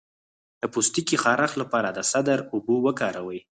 د پوستکي خارښ لپاره د سدر اوبه وکاروئ